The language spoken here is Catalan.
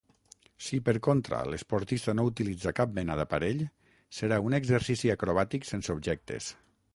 Si, per contra, l'esportista no utilitza cap mena d'aparell, serà un exercici acrobàtic sense objectes.